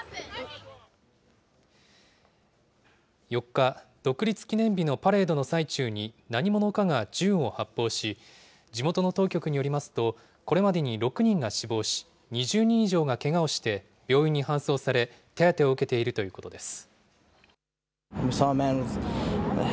４日、独立記念日のパレードの最中に何者かが銃を発砲し、地元の当局によりますと、これまでに６人が死亡し、２０人以上がけがをして病院に搬送され、手当てを受けているということです。